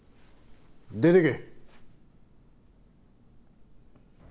出ていけ！